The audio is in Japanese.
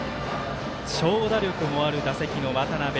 長打力もある打席の渡邊。